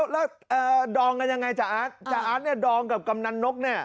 แล้วดองกันยังไงจาอาทจาอาทดองกับกำนันนก